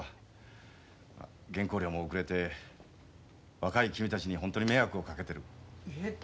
原稿料も遅れて若い君たちに本当に迷惑をかけてる。